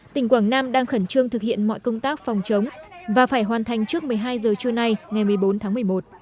tỉnh quảng nam đang khẩn trương thực hiện mọi công tác phòng chống và phải hoàn thành trước một mươi hai giờ trưa nay ngày một mươi bốn tháng một mươi một